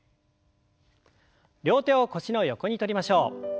両手を腰の横にとりましょう。